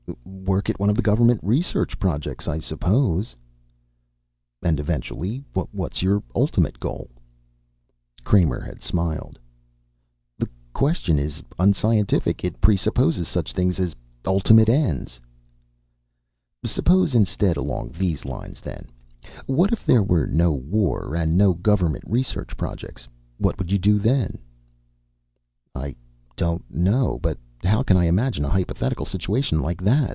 Work at one of the Government Research Projects, I suppose." "And eventually? What's your ultimate goal?" Kramer had smiled. "The question is unscientific. It presupposes such things as ultimate ends." "Suppose instead along these lines, then: What if there were no war and no Government Research Projects? What would you do, then?" "I don't know. But how can I imagine a hypothetical situation like that?